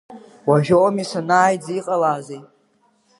Уажәоуми санааидҵ, иҟалазеи?